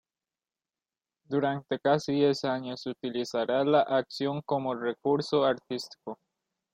Durante casi diez años utilizará la acción como recurso artístico.